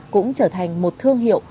cũng trở thành một thương hiệu